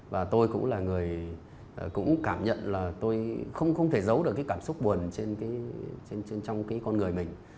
và tôi cũng là người cũng cảm nhận là tôi không thể giấu được cái cảm xúc buồn trong cái con người mình